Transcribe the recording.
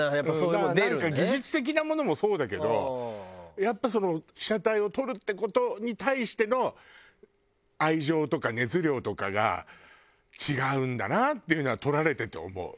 なんか技術的なものもそうだけどやっぱ被写体を撮るって事に対しての愛情とか熱量とかが違うんだなっていうのは撮られてて思う。